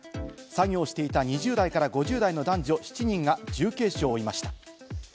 作業をしていた２０代から５０代の男女７人が重軽傷を負いました。